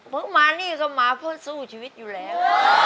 ผมมานี่ก็มาเพื่อสู้ชีวิตอยู่แล้ว